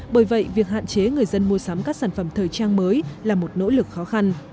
bởi vậy việc hạn chế người dân mua sắm các sản phẩm thời trang mới là một nỗ lực khó khăn